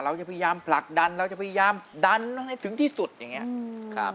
พยายามผลักดันเราจะพยายามดันให้ถึงที่สุดอย่างนี้